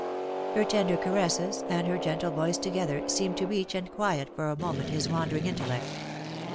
Her tender caresses, and her gentle voice together, seemed to reach, and quiet for a moment his wandering intellect.